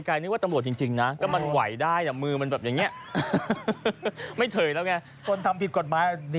อันนี้ก็โอเคนะครับ